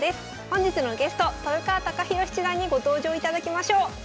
本日のゲスト豊川孝弘七段にご登場いただきましょう。